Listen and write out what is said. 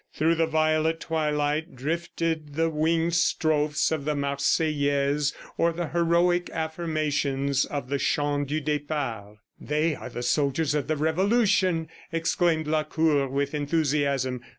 Through the violet twilight drifted the winged strophes of the Marseillaise, or the heroic affirmations of the Chant du Depart. "They are the soldiers of the Revolution," exclaimed Lacour with enthusiasm.